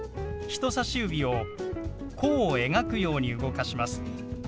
人さし指を弧を描くように動かします。